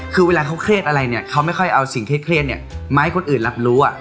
คือเวลาเขาเครียดอะไรเนี่ยเขาไม่ค่อยเอาสิ่งเครียดเนี่ยมาให้คนอื่นรับรู้